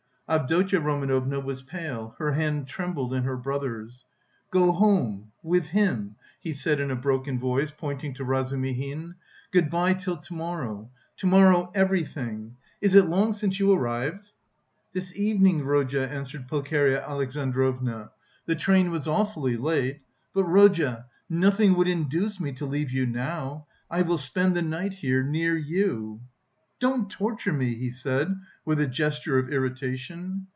Avdotya Romanovna was pale; her hand trembled in her brother's. "Go home... with him," he said in a broken voice, pointing to Razumihin, "good bye till to morrow; to morrow everything... Is it long since you arrived?" "This evening, Rodya," answered Pulcheria Alexandrovna, "the train was awfully late. But, Rodya, nothing would induce me to leave you now! I will spend the night here, near you..." "Don't torture me!" he said with a gesture of irritation.